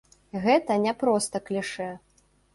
Гэта не проста клішэ.